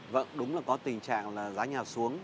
vâng đúng là có tình trạng là giá nhà xuống